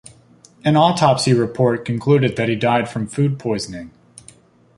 An autopsy report concluded that he died from food poisoning.